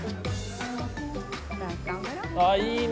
ああいいね！